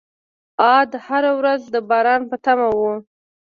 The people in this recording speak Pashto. عاد هره ورځ د باران په تمه وو.